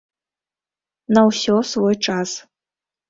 На ўсё свой час.